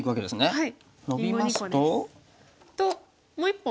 はい。